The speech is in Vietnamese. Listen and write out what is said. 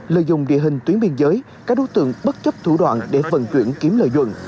lợi dụng địa hình tuyến biên giới các đối tượng bất chấp thủ đoạn để vận chuyển kiếm lợi nhuận